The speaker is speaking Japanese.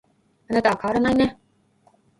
あなたは変わらないね